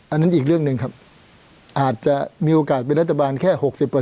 อันนั้นอีกเรื่องหนึ่งครับอาจจะมีโอกาสเป็นรัฐบาลแค่๖๐